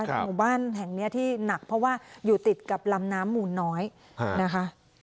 หมู่บ้านแห่งนี้ที่หนักเพราะว่าอยู่ติดกับลำน้ำมูลน้อยนะคะ